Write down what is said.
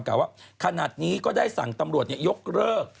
่าว่าขนาดนี้ก็ได้สั่งตำรวจยกเลิก